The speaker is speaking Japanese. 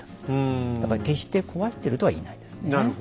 だから決して壊してるとは言えないですね。